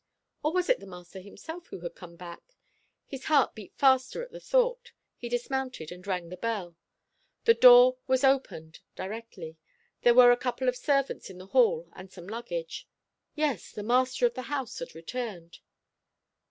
Or was it the master himself who had come back? His heart beat faster at the thought. He dismounted and rang the bell. The door was opened directly. There were a couple of servants in the hall and some luggage. Yes, the master of the house had returned.